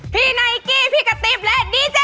พี่นายกี้พี่กะติ๊บและดีเจช่า